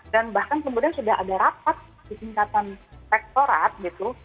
dan bahkan kemudian sudah ada rapat disingkatan rektorat gitu